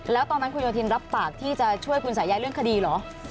แล้วตอนนั้นคุณโยธินรับปากที่จะช่วยคุณสายใยเรื่องคดีเหรอ